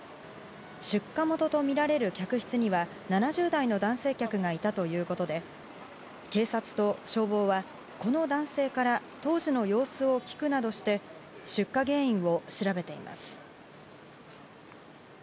出火元とみられる客室には７０代の男性客がいたということで警察と消防は、この男性から当時の様子を聞くなどして出火原因を調べています。